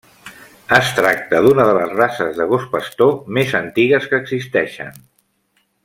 Es tracta d'una de les races de gos pastor més antigues que existeixen.